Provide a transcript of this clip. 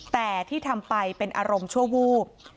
แต่ที่ทำไปเป็นอารมณ์ชั่ววูบ